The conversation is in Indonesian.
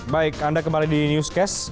baik anda kembali di newscast